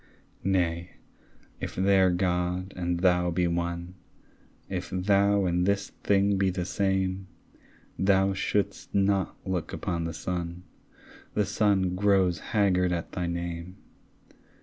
Nay, if their God and thou be one, If thou and this thing be the same, Thou shouldst not look upon the sun; The sun grows haggard at thy name.